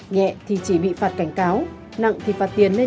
nhẹ thì chỉ bị phạt cảnh cáo nặng thì phạt tài khoản